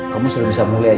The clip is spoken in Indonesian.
kamu sudah bisa mulai